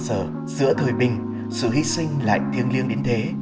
giờ giữa thời bình sự hy sinh lại thiêng liêng đến thế